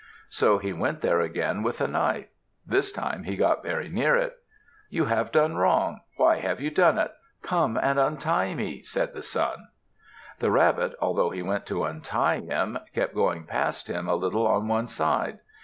So he went there again with a knife. This time he got very near it. "You have done wrong. Why have you done it? Come and untie me," said the Sun. The Rabbit, although he went to untie him, kept going past him a little on one side.